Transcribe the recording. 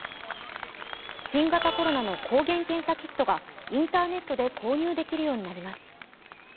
新型コロナの抗原検査キットがインターネットで購入できるようになります。